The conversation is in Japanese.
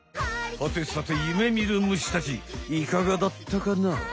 はてさてゆめみるむしたちいかがだったかな？